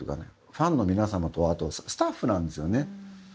ファンの皆様とあとスタッフなんですよね。